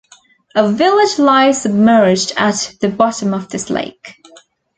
A village lies submerged at the bottom of this lake.